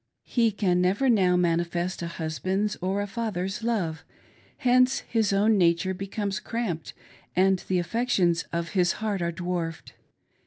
He can never now manifest a husband's or a father's love ; hence his own nature becomes cramped, and the affections of his heart are dwarfed.